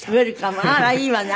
あらいいわね。